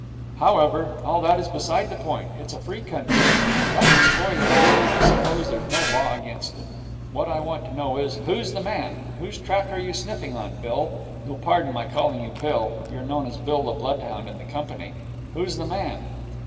However, all that is beside the point. It's a free country. If you like to spoil your beauty, I suppose there's no law against it. What I want to know is, who's the man? Whose track are you sniffing on, Bill? You'll pardon my calling you Bill. You're known as Bill the Bloodhound in the company. Who's the man?'